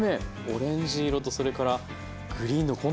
オレンジ色とそれからグリーンのコントラスト